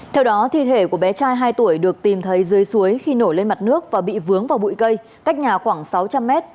theo đó thi thể của bé trai hai tuổi được tìm thấy dưới suối khi nổi lên mặt nước và bị vướng vào bụi cây cách nhà khoảng sáu trăm linh m